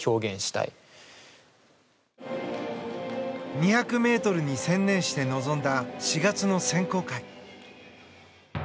２００ｍに専念して臨んだ４月の選考会。